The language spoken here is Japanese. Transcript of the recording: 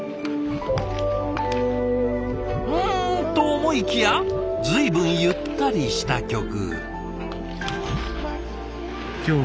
うんと思いきや随分ゆったりした曲。